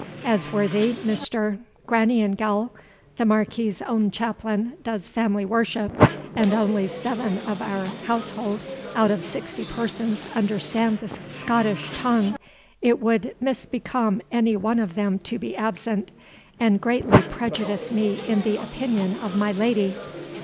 As worthy Mr. Graneangowl, the Marquis's own chaplain, does family worship, and only seven of our household out of sixty persons understand the Scottish tongue, it would misbecome any one of them to be absent, and greatly prejudice me in the opinion of my lady.